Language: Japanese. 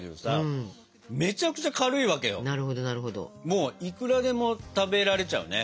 もういくらでも食べられちゃうね。